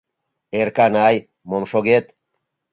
Эрканай, мом шогет?